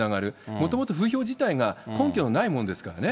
もともと風評自体が根拠のないもんですからね。